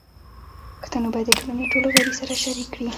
پښتو باید د ټولنې ټول غړي سره شریک کړي.